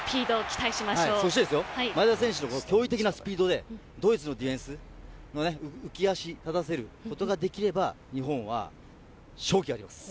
そして前田選手の驚異的なスピードでドイツのディフェンスを浮足立たせることができれば日本は勝機があります。